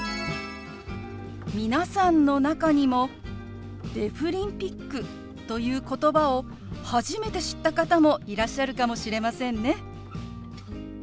皆さんの中にも「デフリンピック」という言葉を初めて知った方もいらっしゃるかもしれませんね。